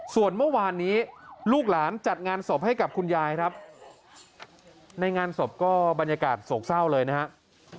ส่วนเมื่อวานนี้ลูกหลานจัดงานศพให้กับคุณยายครับในงานศพก็บรรยากาศโศกเศร้าเลยนะครับ